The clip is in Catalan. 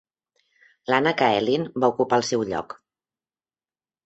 Lana Kaelin va ocupar el seu lloc.